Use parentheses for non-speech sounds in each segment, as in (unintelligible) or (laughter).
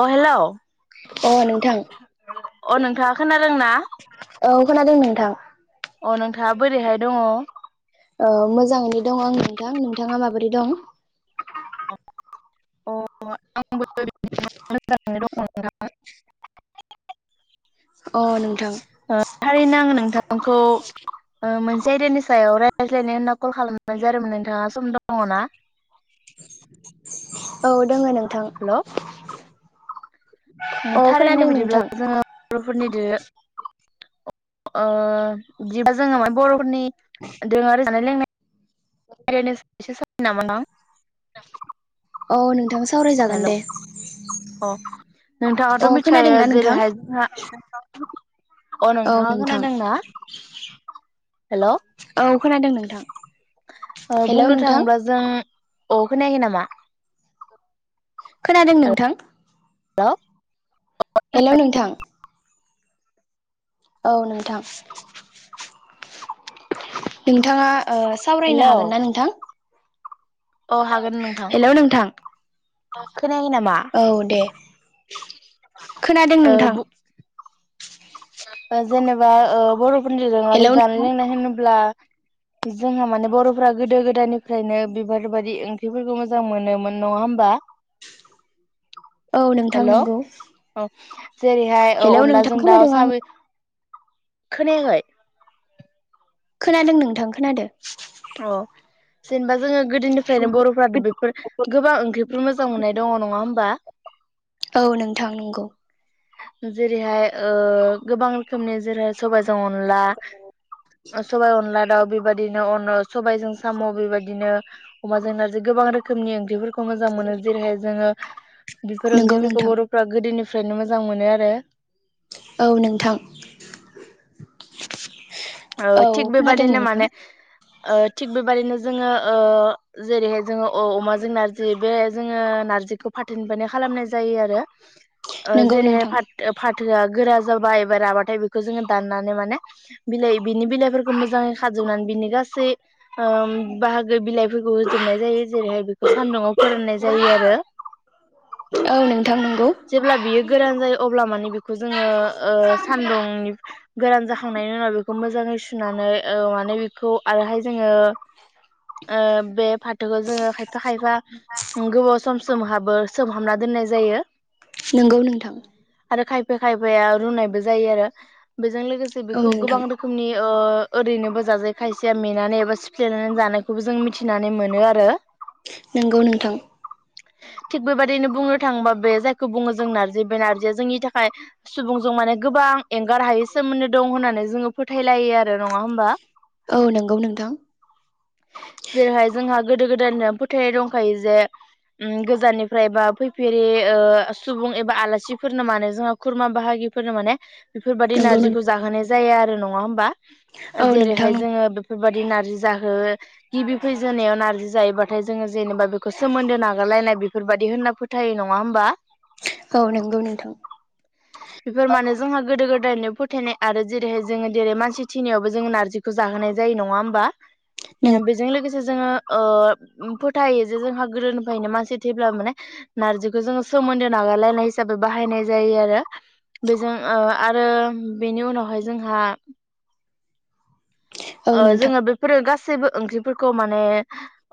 अ hello अ नोंथां अ नोंथाङा खोनादोंना? औ खोनादों नोंथां अ नोंथा थाङा बोरैहाय दङ? ओ मोजाङैनो दं आं नोंथां। नोंथाङा माबोरै दं? अ आंबो बिदिनो मोजाङैनो दङ नोंथां। अ नों ओ थारैनो आङो नोंथां खौ ओ मोन से आयदानि सायाव रायजज्लायनो होनना कल खालामनाय जादोंमोन नोंथाङा सम दङ ना? औ दङ नों हेल' अ थारैनो खोनादों बिदिब्ला नोंथां जोङो बर'फोरनि दोरो ओ बिदिबा जोङो मा बर'फोरनि दोरोङारि जानाय लोंनाय रायलायनो एसे सम होगोन नामा नोंथां? औ नोंथां। सावरायजागोन हेल' दे अ नोंथाङाथ' अ मिथिखायो खोनादोंना नोंथां जेरैहाय जोंहा अ औ नोंथाङा नोंथां खोनादोंना हेल'। औ खोनादों नोंथां। ओ हेलौ बुंनो नोंथां थाङोब्ला जों औ खोनायाखै नामा? खोनादों नोंथां। ल'। हेलौ नोंथां। औ नोंथां। नोंथाङा ओ सावरायनो हेल' हागोन ना नोंथां? अ हागोन नोंथां। हेल' नोंथां खोनायाखै नामा? औ दे। (unintelligible) खोनादों ओ नोंथां। बु ओ जेनेबा ओ बर' फोरनि जों आरो हेलौ जानाय नोंथां लोंनाय होनोब्ला जोंहा माने बर'फोरा गोदो गोदायनिफ्रायनो बिबार बायदि ओंख्रिफोरखौ मोजां मोनोमोन नङा होमबा? औ नोंथां हेल' नंगौ औ जेरैहाय ओ हेलौ नोंथां अनलाजों खोनादों दाउ आं साबि खोनायाखै? खोनादों नोंथां खोनादों। अ जेनबा जोङो गोदोनिफ्रायनो बर'फोरा बेफोर गोबां ओंख्रिफोर मोजां मोननाय दङ नङा होमबा? औ नोंथां नोंगौ। जेरैहाय ओ गोबां रोखोमनि जेरै सबायजो जों अनला सबाय अनला दव बेबादिनो अनो सबायजों साम' बेबादिनो अमाजों नार्जि गोबां रोखोमनि ओंख्रिफोर खौ मोजां मोनो जेरैहाय जोङो बेफोर नंगौ ओंख्रिफोरखौ नोंथां बर'फोरा गोदोनि (unintelligible) मोजां मोनो आरो। औ नोंथां। ओ औ थिग खोनादों बेबादिनो नोंथां माने ओ थिग बेबादिनो जोङो ओ जेरैहाय जोङो औ अमाजों नारजि बे जोङो नारजिखौ फाथोनिफ्रायान खालामनाय जायो आरो। ओ नंगौ जेरैहाय नोंथां फथ-फाथ थोआ गोरा जाबा एबा राबाथाय बेखौ जोङो दाननानै माने बिलाइ बिनि बिलाइफोरखौ मोजाङै खाजोबनानै बिनि गासै ओम बाहागो बिलाइ फोरखौ हो जोबनाय जायो जेरैहाय बेखौ सान्दुुंआव फोराननाय जायो आरो औ नोंथां नंगौ जेब्ला बियो गोरान जायो अब्ला माने बेखौ जोङो ओ सान्दुंनि गोरान जाखांनायनि उनाव बेख मोजाङै सुनानै ओ माने बेखौ आरोहाय जों ङो ओ बे फाथोखौ जोङो खायफा खायफा गोबाव सम सोमहाबो सोमहाबना दोननाय जायो। नोंगौ नोंथां। आरो खायफा खायफाया रुनायबो जायो आरो बेजों लोगोसे औ बेखौ गोबां नोंथां रोख ओ ओरैनोबो जाजायो खायसेया मेनानै एबा सिफ्लेनानै जानायखौबो जों मिथिनानै मोनो आरो नोंगौ नोंथां। थिग बेबायदिनो बुंनो थाङोबा बे जायखौ बुङो जों नार्जि बे नार्जिया जोंनि थाखाय सुबुंजों माने गोबां एंगार हायै सोमोन्दो दं होननानै जोङो फोथायलायो आरो नंङा होमबा? औ नंगौ नोंथां जेरैहाय जोंहा गोदो गोदायनि फोथायनाय दंखायो जे उम गोजाननिफ्राय बा फैफेरि ओ सुबुं एबा आलासिफोरनो माने जोंहा खुरमा बाहागिफोरनो माने बेफोरबादि नंगौ नारजिखौ जाहोनाय जाया आर नंङा होमबा? औ नोंथां जेरैहाय जोङो बेफ बेफोरबायदि नारजि जाहो गिबि फैजोनायाव नारजि जायोबाथ नाथाय जोङो जेनेबा बेखौ सोमोन्दो नागारलायनाय बेफोरबायदि होनना फोथायो नङा होमबा? औ नंगौ नोंथां बेफोर माने जोंहा गोदो गोद दायनो फोथायनाय आरो जेरैहाय जोङो जेरै मानसि थिनायावबो जोङो नारजिखौ जाहोनाय जायो नङा होमबा? बेजों लोगोसे जोङो ओ फोथायो जे जोंहा गोदोनिफ्रायनो मानसि थैब्ला माने नार्जिखौ जोङो सोमोन्दो नागारलायनाय हिसाबै बाहायनाय जायो आरो बेजों ओ आरो बेनि उनावहाय जोंहा औ ओ नोंथां जोङो बेफोरो गासैबो ओंख्रिफोरखौ माने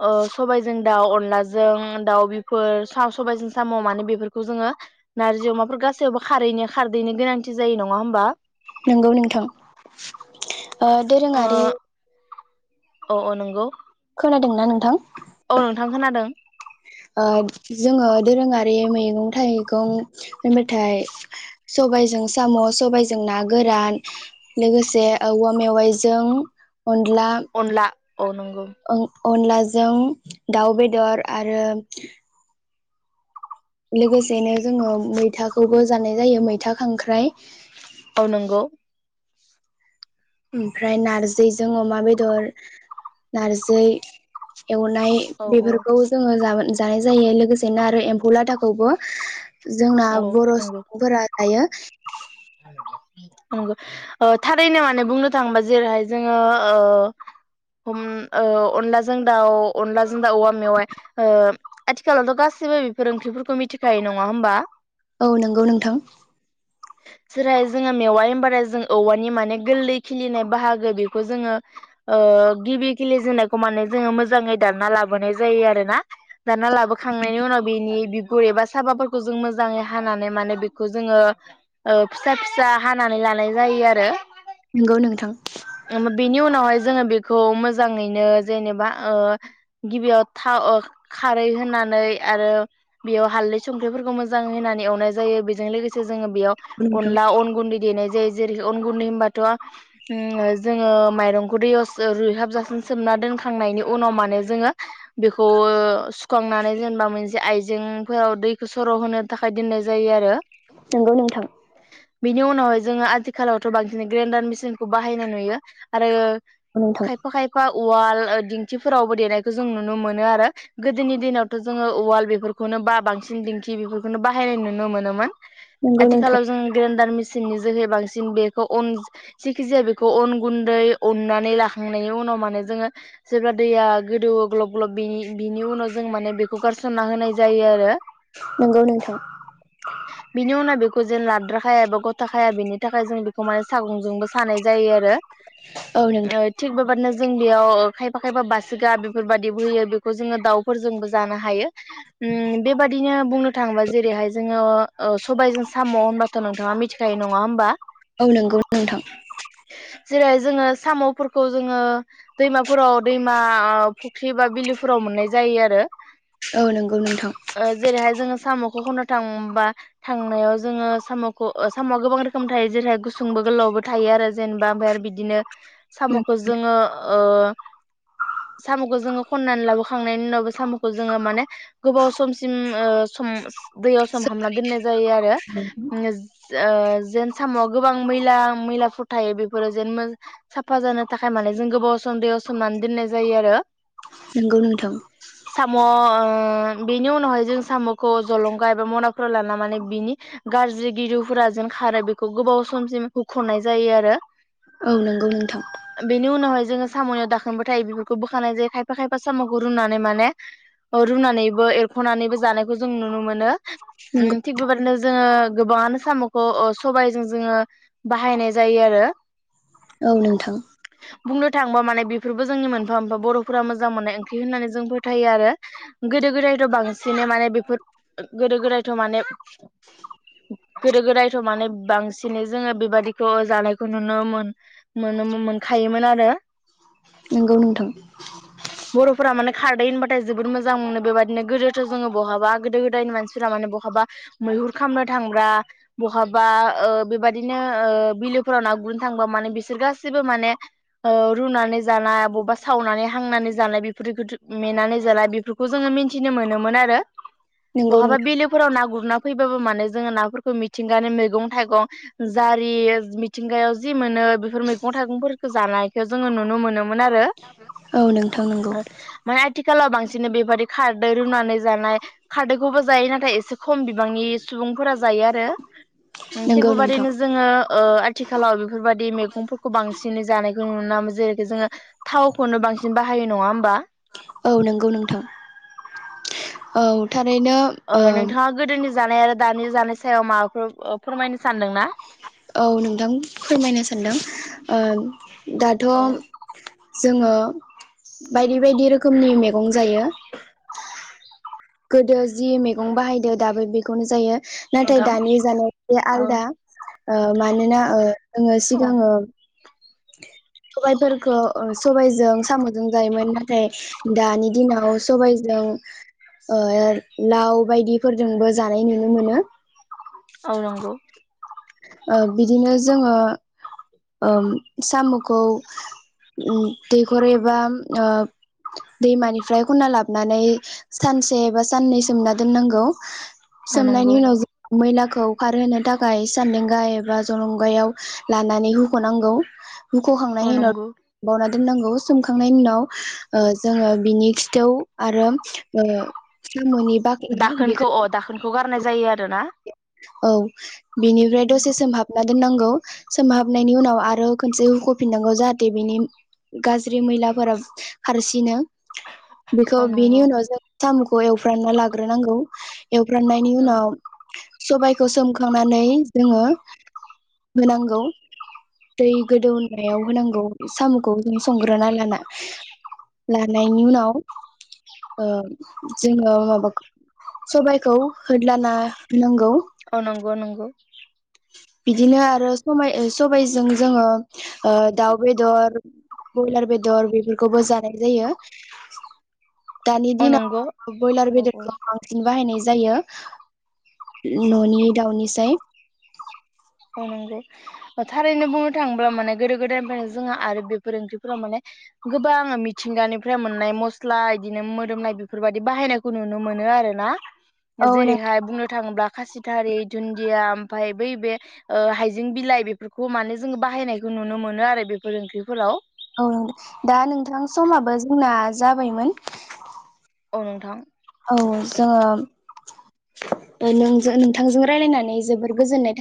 ओ सबायजों दाउ अनलाजों दाउ बेफोर सा सबायजों साम' माने बेफोरखौ जोङो नारजि अमाफोर गासैयावबो खारैनो खारदैनो गोनांथि जायो नङा होमबा? नोंगौ नोंथां। ओ दोरोङारि अ' अ' नोंगौ। खोनादोंना नोंथां? औ नोंथां खोनादों। ओ जोङो दोरोङारि मैगं-थाइगं होनबाथाय सबाइजों साम', सबाइजों ना गोरान लोगोसे औवा मेवाइजों अनला अनला औ नंगौ (inaudible) ओं अनलाजों दाउ बेदर आरो (inaudible) लोगोसेनो जोंङो मैथाखौबो जानाय जायो मैथा खांख्राइ। औ नंगौ ओमफ्राय नार्जिजों अमा बेदर नारजि एवनाय औ बेफोरखौ जोंङो जाबोनाय जानाय जायो लोगोसेनो आरो एम्फौ लाथाखौबो जोंना औ बर' नंगौ सुबुंफोरा जायो। नंगौ ओ थारैनो माने बुंनो थांङोबा जेरैहाय जोंङो ओ उम ओ अनलाजों दाउ अनलाजों दाउ औवा मेवाइ ओ आथिखालावथ' गासिबो बेफोर ओंख्रिफोरखौ मिथिखायो नंङा होमबा। औ नंगौ नोंथां। जेरैहाय जोङो मेवाइ होनबाराय जों औवानि माने गोरलै खिलिनाय बाहागो बेखौ जोंङो ओ गिबि खिलिजेननायखौ माने जोङो मोजाङै दानना लाबोनाय जायो आरो ना। दानना लाबोखांनायनि उनाव बेनि बिगुर एबा साबाफोरखौ जों मोजाङै हानानै माने बेखौ जोंङो ओ फिसा फिसा हानानै लानाय जायो आरो। नंगौ नोंथां (inaudible) ओम बिनि उनावहाय ज जोंङो बेखौ मोजांङैनो जेनेबा ओ गिबियाव थाव ओ खारै होनानै आरो बेयाव हालदै सोंख्रैफोरखौ मोजांङै होना एवनाय जायो बेजों लोगोसे जोंङो बेया नोंथां अनला अन गुन्दै देनाय जायो जेरै अन गुन्दै होनोमबाथ' ओम जोंङो माइरंखौ दैयाव रुइहाबजासिम सोमना दोनखांनायनि उनाव माने जोंङो बेखौ ओ सुखांनानै जेनेबा मोनसे आइजेंफोराव दैखौ सर' होनो थाखाय दोननाय जायो आरो। नंगौ नोंथां। बिनि उनावहाय जोङो आथिखालावथ बांसिन ग्रेन्डार मिसिनखौ बाहायनाय नुयो आरो नोंथां खायफा खायफा उवाल ओ दिंखिफोरावबो देनायखौ जों नुनो मोनो आरो। गोदोनि दिनावथ' जोङो उवाल बेफोरखौनो बा बांसिन दिंखि बेफोरखौनो बाहायनाय नुनो मोनोमोन। नंगौ नोंथां आथिखालाव जों गेरेन्दार मेच चिननि जोहै बांसिन बेखौ अन जिखिजाया बेखौ अन गुन्दै अननानै लाखांनायनि उनाव माने जोङो जेब्ला दैया गोदौवो ग्लब ग्लब बेनि-बिनि उनाव जों माने बेखौ गारसनना होनाय जायो आरो। नंगौ नोंथौ। (inaudible) खौ लाद्राखाया एबा ग'थाखाया बेनि थाखाय जों बेखौ माने सागंजोंबो सानाय जा जायो आरो औ नोंथां ओ थिग बेबादिनो जों बेयाव खायफा खायफा बासिगा बेफोरबायदिबो होयो बेखौ जोंङो दाउफोरजोंबो जानो हायो उम बेबादिनो बुंनो थाङोबा जेरैहाय जोंङो ओ सबायजों साम' होनबाथ नोंथांङा मिथिखायो नंङा होमबा। औ नंगौ नोंथां। जेरै जोङो साम'फोरखौ जोंङो दैमाफोराव दैमा ओ फुख्रि बा बिलोफोराव मोननाय जायो आरो। औ नंगौ नोंथां ओ जेरैहाय जोंङो साम' खौ खननो थांबा थांनायाव ज जोङो साम'खौ साम'आ गोबां रोखोम थायो जेरै गुसुंबो गोलावबो थायो आरो जेनेबा ओमफ्राय आरो बिदिनो सामखौ जोंङो ओ सामखौ जोङो खन्नानै लाबोखांनायनि उनावबो सामखौ जोङो माने गोबाव समसिम ओ सम दैयाव सोम हाबना दोननाय जायो आरो (inaudible) ओ जेन साम गोबां मैला मैलाफोर थायो बेफोरो जेन मोज साफा जानो थाखाय माने जों गोबाव सम दैयाव सोमनानै दोननाय जायो आरो नंगौ नोंथां साम' ओ बेनि उनावहाय जों सामखौ जलंगा एबा मनाफोराव लाना माने बिनि गाज्रि गिदुफोरा जेन खारो बेखौ गोबाव समसिम हुखनाय जायो आरो औ नंगौ नोंथां बेनि उनावहाय जोङो सामनियाव दाखोनबो थायो बेफोरखौ बोखानाय जायो खायफा खायफा सामखौ रुनानै माने औ रुनानैबो एरखनानैबो जानायखौ जों नुनो मोनो ओं नंगौ थिग बिबादिनो जोङो गोबाङानो सामखौ अ सबाइजों जोङो बाहायनाय जायो आरो औ नोंथां बुंनो थांबा माने बेफोरबो जोंनि मोनफा मोनफा बरफोरा मोजां मोननाय ओंख्रि होननानै जों फोथायो आरो गोदो गोदायथ बांसिनै माने बेफोर गोदो गोदायथ माने गोदो गोदायथ माने बांसिनै जोङो बेबादिखौ जानायखौ नुनो मोन मोनोमोन मोखायोमोन आरो नंगौ नोंथां फोरा माने खारदै होनबाथाय जोबोर मोजां मोनो बेबायदिनो गोदोथ जोङो बहाबा गोदो गोदायनि मानसिफ्रा माने बहाब मैहुर खामनो थांब्रा बहाबा ओ बेबादिनो ओ बिलोफोराव ना गुरनो थांबा माने बिसोर गासिबो माने ओ रुनानै जानाय बबबा सावनानै हांनानै जानाय बेफोरखोथ मेनानै जानाय बेफोरखौ जोङो मिथिनो मोनोमोन आरो नंगौ बहाबा नोंथां बिलोफोराव ना गुरना फै नै जोङो नाफोरखौ मिथिंगानो मैगं थाइगं जारि मिथिंगायाव जि मोनो बेफोर मैगं थाइगंफोरखौ जानायखौ जोङो नुनो मोनो मोनआरो औ नोंथां नंगौ माने आथि थिखालाव बांसिन बेबादि खारदै रुनानै जानाय खारदैखौबो जायो नाथाय एसे खम बिब बांनि सुबुंफोरा जायो आरो ओं थिग नंगौ नोंथां बेबायदिनो जोङो ओ आथिखालाव बेफोरबायदि मेग गंफोरखौ बांसिनै जानायखौ नुनो जेरैखिजाया थावखौनो बांसिन बाहायो नङा होमबा औ नोंगौ नोंथां औ थारैनो ओ नोंथाङा गोदोनि जानाय आरो दानि जानाय सायाव माबाफोर ओ फोरमायनो सानदोंना औ नोंथां फोरमायनो सानदों ओन दाथ औ जोङो बायदि बायदि रोखोमनि मेगं जायो गोदो जि मैगं बाहायदो दाबो बेखौनो जायो नाथाय नोंथां दानि जानाया औ आलदा ओ मानोना ओ जोङो औ सिगाङो सबाइफोरखौ ओ सबाइजों सामजों जायोमोन नाथाय दानि दिनाव सबायजों ओ लाव बायदिफोरजोंबो जानाय नुनो मोनो औ नोंगौ ओ बिदिनो जोङो ओम सामखौ ओ दैखर एबा ओ दैमानिफ्राय खनना लाबनानै सानसे एबा साननै सोमना दोननांगौ औ सोमनायनि नंगौ उनाव जों मैला खौ खारहोनो थाखाय सान्देंगा एबा जलंगायाव लानानै हुखनांगौ (unintelligible) औ नंगौ नांगौ सखांनायनि उनाव ओ जोङो बिनि खिथौ आरो ओ साम'नि बाख्ला दाखोनखौ बेखौ अ दाखोनखौ गारनाय जायो आरो ना। औ बिनिफ्राय दसे सोमहाबना दोननांगौ सोमहाबनायनि उनाव आरो खनसे हुखफिननांगौ जाहाथे बिनि गाज्रि मैलाफोरा खारसिनो बेखौ औ बिनि नंगौ उनाव जों सामखौ एवफ्रामना लाग्रोनांगौ। एवफ्रामनायनि उनाव सबायखौ सोमखां नानै जोङो होनांगौ दै गोदौनायाव होनांगौ साम'खौ जों संग्रोना लाना लानायनि उनाव ओ जोङो माबाखौ सबायाइखौ होदलाना होनांगौ। औ नंगौ नंगौ बिदिनो आरो समाय सबायाइजों जोङो दाउ बेदर बयलार बेदर बेफोरखौबो जानाय जायो। दानि औ नंगौ दिनाव बयलार औ औ बेदरखौ बांसिन बाहायनाय जायो न'नि दाउनि (unintelligible) औ थारैनो बुंनो थाङोब्ला माने गोदो गोदायनिफ्रायनो जोंहा आरो बेफोर ओंख्रिफोराव माने गोबां मिथिंगानिफ्राय मोननाय मस्ला इदिनो मोदोमनाय बेफोरबायाददि बाहायनायखौ नुनो मोनो आरो ना। औ नों जेरैहाय बुंनो थाङोब्ला खासिथारि दुन्दिया ओमफ्राय बै बे ओ हाइजें बिलाइ बेफोरखौ माने जोङो बाहायनायखौ नुनो मोनो आरो बेफोर ओंख्रिफोराव औ दा नोंथां समाबो जोंना जाबायमोन। औ नोंथां। औ जोङो नोंजों नोंथांजों रायलायनानै जोबोर गोजोननाय